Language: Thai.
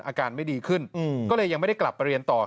อาการไม่ดีขึ้นก็เลยยังไม่ได้กลับไปเรียนต่อ